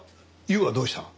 悠はどうした？